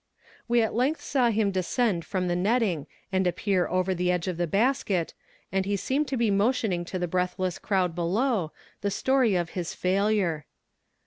We at length saw him descend from the netting and reappear over the edge of the basket, and he seemed to be motioning to the breathless crowd below the story of his failure.